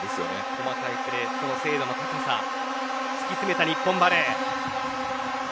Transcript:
細かいプレー、精度の高さ突き詰めた日本バレー。